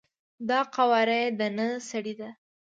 دا قواره یی د نه سړی ده،